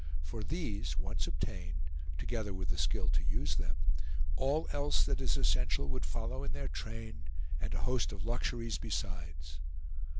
For these once obtained, together with the skill to use them, all else that is essential would follow in their train, and a host of luxuries besides.